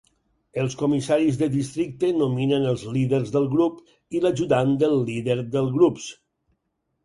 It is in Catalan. Els comissaris de districte nominen els líders del grup i l'ajudant del líder del grups.